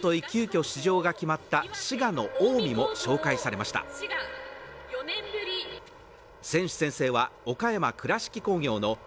急遽出場が決まった滋賀の近江も紹介されました選手宣誓は岡山倉敷工業の